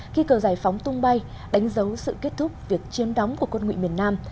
khi cầu giải phóng tung bay đánh dấu sự kết thúc việc chiếm đóng của quân nguyện miền nam